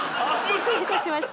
失礼いたしました。